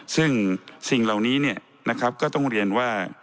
ซึ่งสิ่งเหล่านี้เนี่ยนะครับก็ต้องเรียนว่า